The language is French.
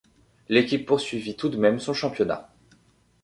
L’équipe poursuivit tout de même son championnat.